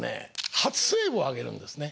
初セーブを挙げるんですね。